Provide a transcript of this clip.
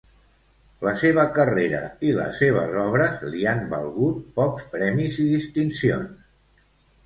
La seva carrera i les seves obres li han valgut pocs premis i distincions.